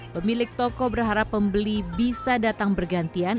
pemilik toko berharap pembeli bisa datang bergantian